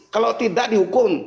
kalau tidak dihukum